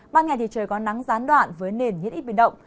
ban ngày thì trời có nắng gián đoạn với nền nhiệt ít biến động